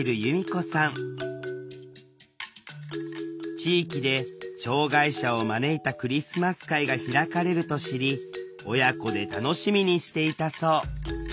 地域で障害者を招いたクリスマス会が開かれると知り親子で楽しみにしていたそう。